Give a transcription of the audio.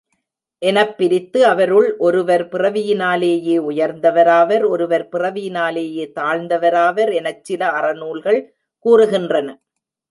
எனப் பிரித்து, அவருள் ஒருவர் பிறவியினாலேயே உயர்ந்தவராவர் ஒருவர் பிறவியினாலேயே தாழ்ந்த வராவர் எனச் சில அறநூல்கள் கூறுகின்றன.